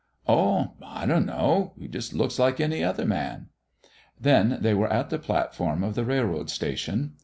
"Oh, I don't know; He just looks like any other man." Then they were at the platform of the railroad station.